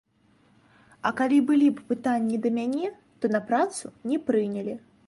А калі былі б пытанні да мяне, то на працу не прынялі.